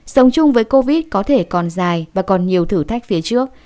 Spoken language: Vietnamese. sống chung với covid có thể còn dài và còn nhiều thử thách phía trước